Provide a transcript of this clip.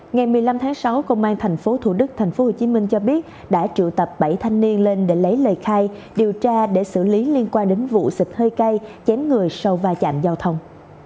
ngày một mươi năm tháng sáu công an tp thủ đức tp hcm cho biết đã triệu tập bảy thanh niên lên để lấy lời khai điều tra để xử lý liên quan đến vụ xịt hơi cay chém người sau va chạm giao thông